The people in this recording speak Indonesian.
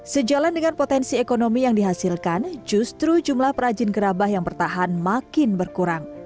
sejalan dengan potensi ekonomi yang dihasilkan justru jumlah perajin gerabah yang bertahan makin berkurang